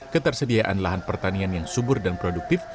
ketersediaan lahan pertanian yang subur dan produktif